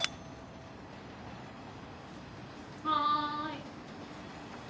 ・はい。